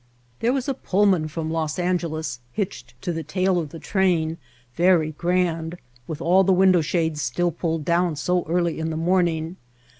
There was a Pullman from Los Angeles hitched to the tail of the train, very [771 White Heart of Mojave grand, with all the window shades still pulled down so early in the morning.